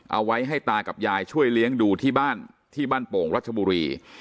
เอาไว้ให้ตากับยายช่วยเลี้ยงดูที่บ้านที่บ้านโป่งรัชบุรี